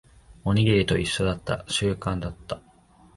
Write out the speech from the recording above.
おにぎりと一緒だった。習慣だった。